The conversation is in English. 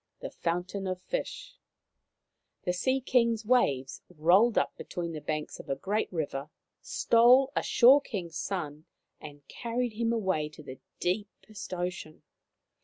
THE FOUNTAIN OF FISH The Sea King's waves rolled up between the banks of a great river, stole a Shore King's son, and carried him away to deepest ocean.